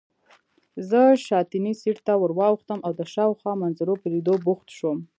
زه شاتني سېټ ته واوښتم او د شاوخوا منظرو په لیدو بوخت شوم.